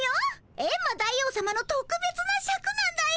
エンマ大王さまのとくべつなシャクなんだよ！